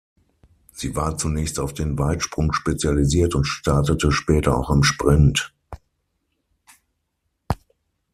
Sie war zunächst auf den Weitsprung spezialisiert und startete später auch im Sprint.